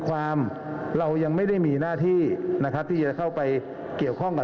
ความเรายังไม่ได้มีหน้าที่นะครับที่จะเข้าไปเกี่ยวข้องกับ